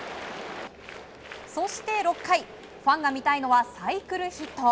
そして６回、ファンが見たいのはサイクルヒット。